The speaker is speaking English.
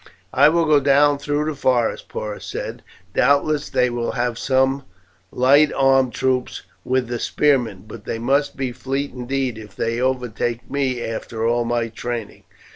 "I will go down through the forest," Porus said, "doubtless they will have some light armed troops with the spearmen; but they must be fleet indeed if they overtake me after all my training."